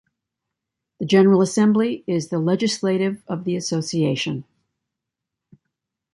The General Assembly is the legislative of the association.